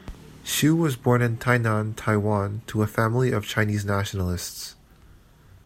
Xu was born in Tainan, Taiwan to a family of Chinese nationalists.